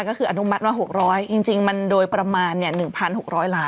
ก็คืออนุมัติมา๖๐๐จริงมันโดยประมาณ๑๖๐๐ล้าน